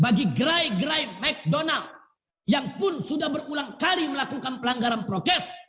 bagi gerai gerai mcdonald yang pun sudah berulang kali melakukan pelanggaran prokes